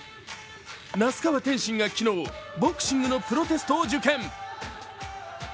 那須川天心が昨日、ボクシングのプロテストを受検。